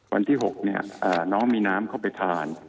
วันที่๖น้องมีน้ำเข้าไปทาน